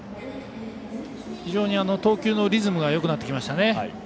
非常に投球のリズムがよくなってきましたね。